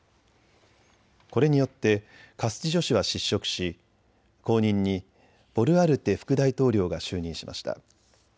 これによってカスティジョ氏は失職し後任にボルアルテ副大統領が就任しました。